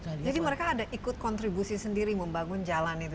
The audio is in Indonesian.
jadi mereka ada ikut kontribusi sendiri membangun jalan itu sendiri